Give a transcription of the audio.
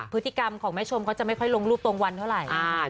พฤติกรรมของแม่ชมเขาจะไม่ค่อยลงรูปตรงวันเท่าไหร่